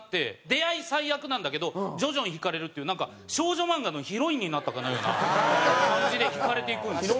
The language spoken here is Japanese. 出会い最悪なんだけど徐々に惹かれるっていうなんか少女漫画のヒロインになったかのような感じで惹かれていくんですよ。